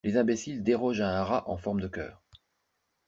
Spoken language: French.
Les imbéciles dérogent à un rat en forme de cœur.